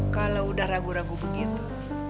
kalau udah ragu ragu begitu